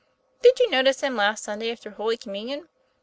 Did you notice him last Sunday after Holy Communion